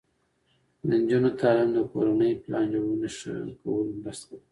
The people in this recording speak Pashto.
د نجونو تعلیم د کورنۍ پلان جوړونې ښه کولو مرسته ده.